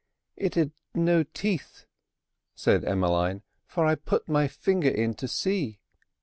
"It'd no teeth," said Emmeline, "for I put my finger in to see."